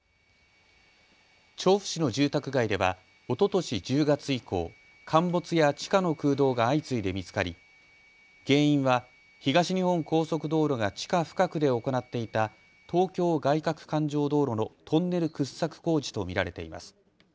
調布市の住宅街ではおととし１０月以降、陥没や地下の空洞が相次いで見つかり原因は東日本高速道路が地下深くで行っていた東京外かく環状道路のトンネル掘削工事と見られています。